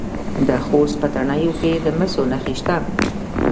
د خوست په تڼیو کې د مسو نښې شته.